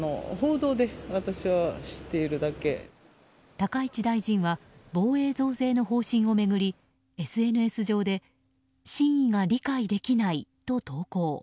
高市大臣は防衛増税の方針を巡りＳＮＳ上で真意が理解できないと投稿。